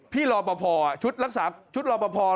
พี่รอป่าพอชุดรักษาชุดรอป่าพอสร๑